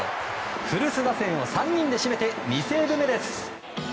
古巣打線を３人で締めて２セーブ目です。